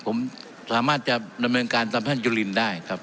ผมสามารถจะดำเนินการทำให้จุลินได้ครับ